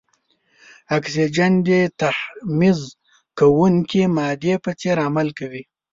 اکسیجن د تحمض کوونکې مادې په څېر عمل کوي.